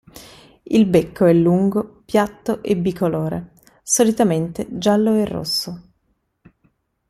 Il becco è lungo, piatto e bicolore, solitamente giallo e rosso.